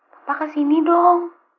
papa kesini dong